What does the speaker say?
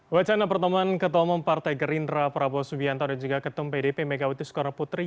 wacana pertemuan ketemu partai gerindra prabowo subianto dan juga ketum pdp megawati soekarnoputri